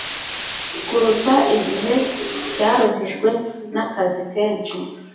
kuruta igihe cyaruhijwe nakazi kenshi